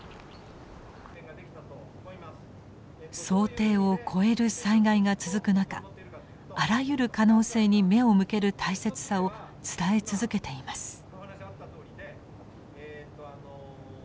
想定を超える災害が続く中あらゆる可能性に目を向ける大切さを伝え続けています。